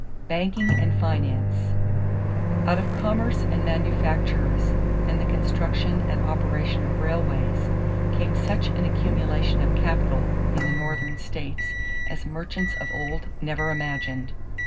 =Banking and Finance.= Out of commerce and manufactures and the construction and operation of railways came such an accumulation of capital in the Northern states as merchants of old never imagined.